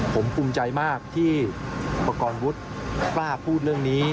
ผมภูมิใจมากที่ประกอบวุฒิกล้าพูดเรื่องนี้